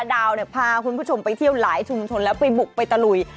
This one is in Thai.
ดาวเนี่ยพาคุณผู้ชมไปเที่ยวหลายชุมชนแล้วไปบุกไปตะลุย